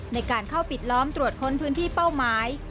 ในการเข้าปิดล้อมตรวจค้นพื้นที่เป้าหมาย